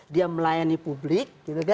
dia melayani publik